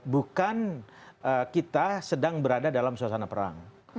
bukan kita sedang berada dalam suasana perang